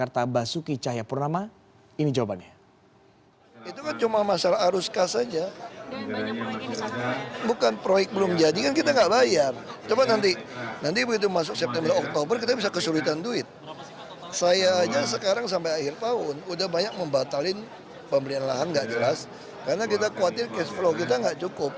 dki jakarta basuki cahyapurnama ini jawabannya